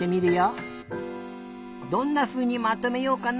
どんなふうにまとめようかな？